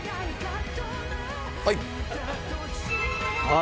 はい！